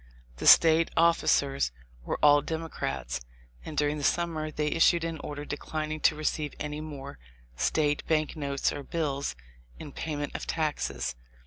The State officers were all Democrats, and during the summer they issued an order declining to receive any more State Bank notes or bills in payment of taxes.